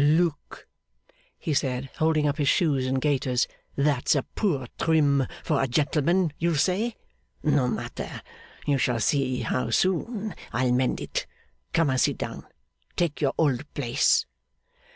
'Look!' he said, holding up his shoes and gaiters. 'That's a poor trim for a gentleman, you'll say. No matter, you shall see how soon I'll mend it. Come and sit down. Take your old place!